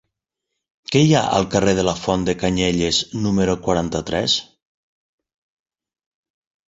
Què hi ha al carrer de la Font de Canyelles número quaranta-tres?